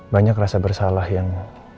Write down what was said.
banyak rasa bersalah yang